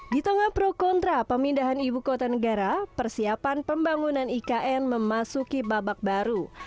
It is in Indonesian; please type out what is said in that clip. di tengah pro kontra pemindahan ibu kota negara persiapan pembangunan ikn memasuki babak baru